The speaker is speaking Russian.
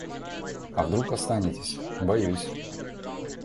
А вдруг останетесь, боюсь.